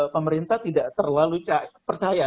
pemerintah tidak terlalu percaya